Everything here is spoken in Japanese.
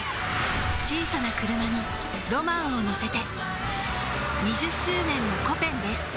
小さなクルマにロマンをのせて２０周年の「コペン」です